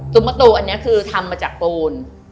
มะตูอันนี้คือทำมาจากปูน